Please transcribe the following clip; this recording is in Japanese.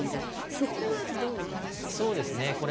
そこはどうなんですか？